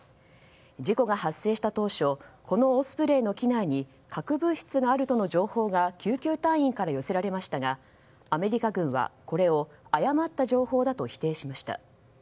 事故が発生した当初このオスプレイの機内に核物質があるとの情報が救急隊員から寄せられましたがアメリカ軍はこれを誤った情報だと否定しました。